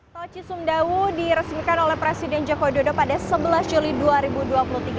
tol cisumdawu diresmikan oleh presiden joko widodo pada sebelas juli dua ribu dua puluh tiga